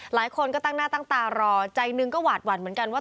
หลายคนก็ตั้งหน้าตั้งตารอใจหนึ่งก็หวาดหวั่นเหมือนกันว่า